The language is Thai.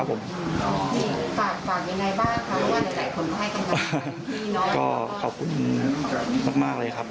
ผมขอขอบคุณมากเลยครับ